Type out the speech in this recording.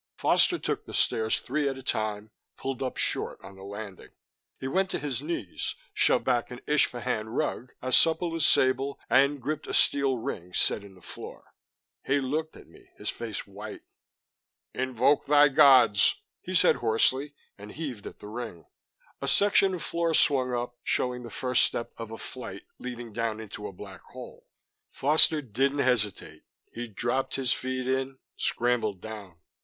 Foster took the stairs three at a time, pulled up short on the landing. He went to his knees, shoved back an Isfahan rug as supple as sable, and gripped a steel ring set in the floor. He looked at me, his face white. "Invoke thy gods," he said hoarsely, and heaved at the ring. A section of floor swung up, showing the first step of a flight leading down into a black hole. Foster didn't hesitate; he dropped his feet in, scrambled down.